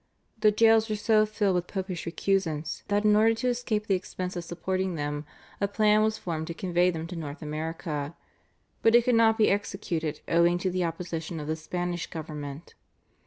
The jails were so filled with popish recusants that in order to escape the expense of supporting them, a plan was formed to convey them to North America, but it could not be executed owing to the opposition of the Spanish Government.